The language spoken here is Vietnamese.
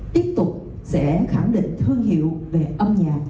tiếp tục sẽ khẳng định thương hiệu về âm nhạc